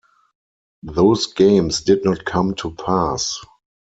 Those games did not come to pass.